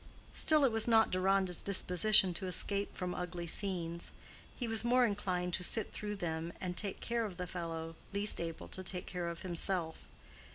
Still it was not Deronda's disposition to escape from ugly scenes; he was more inclined to sit through them and take care of the fellow least able to take care of himself.